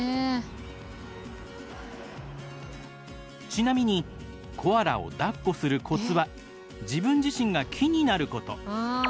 ちなみにコアラをだっこするコツは自分自身が木になること。